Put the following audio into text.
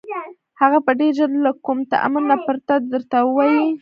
هغه به ډېر ژر او له كوم تأمل نه پرته درته ووايي: